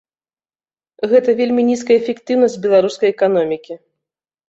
Гэта вельмі нізкая эфектыўнасць беларускай эканомікі.